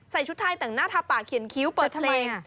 ชุดไทยแต่งหน้าทาปากเขียนคิ้วเปิดเพลง